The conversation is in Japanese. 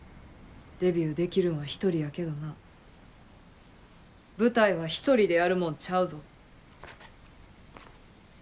デビューできるんは１人やけどな舞台は１人でやるもんちゃうぞ。